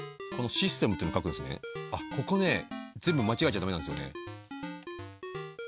あっここね全部間違えちゃ駄目なんですよね。